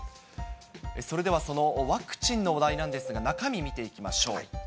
それではそのワクチンの話題なんですが、中身見ていきましょう。